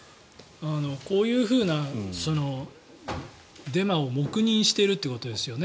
こういうデマを黙認しているということですよね。